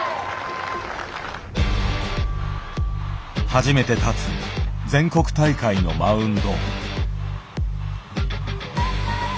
初めて立つ全国大会のマウンド。